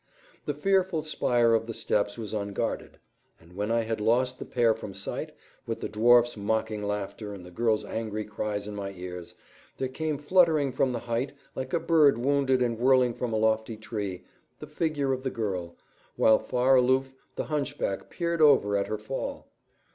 The fearful spire of the steps was unguarded, and when I had lost the pair from sight, with the dwarf's mocking laughter and the girl's angry cries in my ears, there came fluttering from the height, like a bird wounded and whirling from a lofty tree, the figure of the girl, while far aloof the hunchback peered over at her fall.